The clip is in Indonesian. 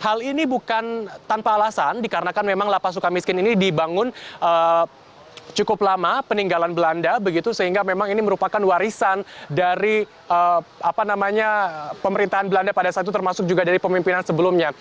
hal ini bukan tanpa alasan dikarenakan memang lapas suka miskin ini dibangun cukup lama peninggalan belanda begitu sehingga memang ini merupakan warisan dari pemerintahan belanda pada saat itu termasuk juga dari pemimpinan sebelumnya